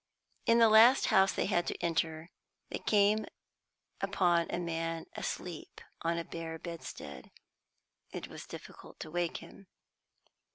In the last house they had to enter they came upon a man asleep on a bare bedstead. It was difficult to wake him.